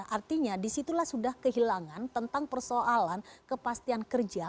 artinya disitulah sudah kehilangan tentang persoalan kepastian kerja